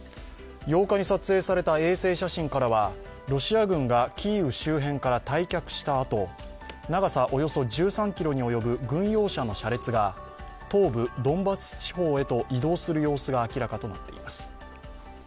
８日に撮影された衛星写真からはロシア軍がキーウ周辺から退却したあと、長さおよそ１３ｋｍに及ぶ軍用車の車列が東部ドンバス地方へと移動する様子が明らかとなっています。